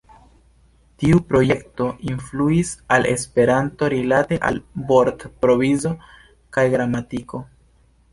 Tiu projekto influis al Esperanto rilate al vortprovizo kaj gramatiko.